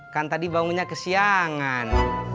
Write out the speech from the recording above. kan tadi bangunnya kesiangan